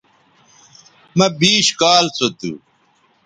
مہ بیش کال سو تھو